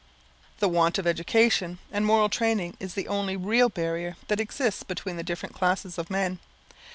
The want of education and moral training is the only real barrier that exists between the different classes of men.